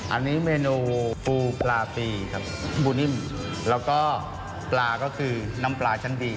อันนี้เมนูปูปลาปีครับปูนิ่มแล้วก็ปลาก็คือน้ำปลาชั้นดี